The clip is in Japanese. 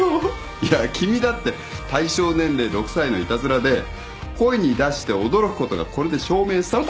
いや君だって対象年齢６歳のいたずらで声に出して驚くことがこれで証明された。